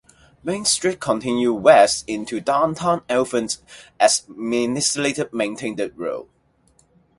Main Street continues west into downtown Elkton as a municipally-maintained road.